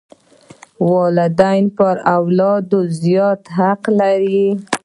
والدین پر اولادونو زیات حقوق لري.